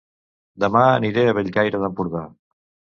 Dema aniré a Bellcaire d'Empordà